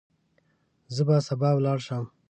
زه به سبا ولاړ شم.